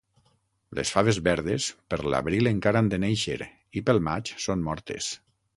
Les faves verdes, per l'abril encara han de néixer i pel maig són mortes.